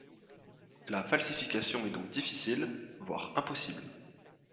La falsification est donc difficile voire impossible.